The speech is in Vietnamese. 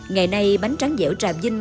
ngày nay bánh tráng dẻo trà vinh